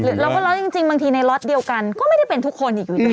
แล้วพอเล่าจริงบางทีในล็อตเดียวกันก็ไม่ได้เป็นทุกคนอีก